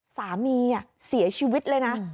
สามีเสียชีวิตเลยนะ